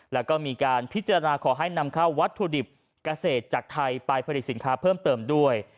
แล้วก็มีการพิจารณาขอให้นำเข้าวัตถุดิบเกษตรจากไทยไปผลิตสินค้าเพิ่มเติมด้วย